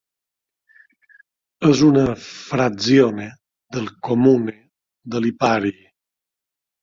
És una "frazione" del "comune" de Lipari.